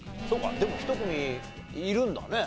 でも１組いるんだね。